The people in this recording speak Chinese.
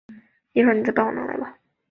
母汪氏。